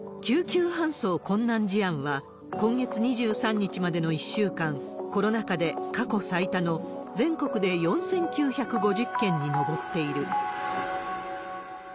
救急搬送困難事案は今月２３日までの１週間、コロナ禍で過去最多の全国で４９５０件に上っている。